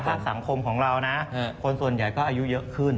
สังคมของเรานะคนส่วนใหญ่ก็อายุเยอะขึ้น